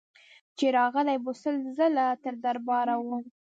چي راغلې به سل ځله تر دربار وه